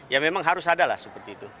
ya memang harus ada lah seperti itu